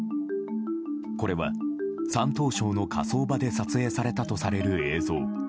これは、山東省の火葬場で撮影されたとされる映像。